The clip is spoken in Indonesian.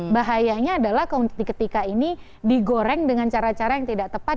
bahayanya adalah ketika ini digoreng dengan cara cara yang tidak tepat